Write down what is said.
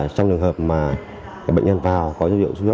trong trường hợp mà bệnh nhân vào có dấu hiệu suy hô hấp